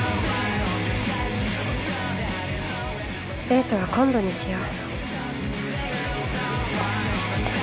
デートは今度にしよう。